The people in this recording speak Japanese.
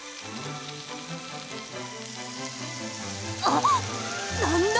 あっ何だ？